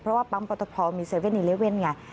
เพราะว่าปั๊มปตภมี๗๑๑ไง